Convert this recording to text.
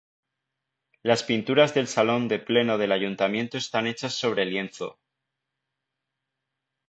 Las pinturas del salón de Pleno del Ayuntamiento están hechas sobre lienzo.